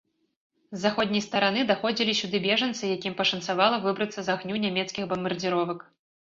З заходняй стараны даходзілі сюды бежанцы, якім пашанцавала выбрацца з агню нямецкіх бамбардзіровак.